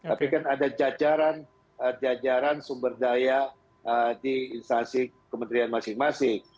tapi kan ada jajaran sumber daya di instansi kementerian masing masing